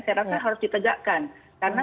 saya rasa harus ditegakkan karena